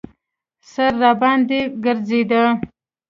سر راباندې ګرځېده.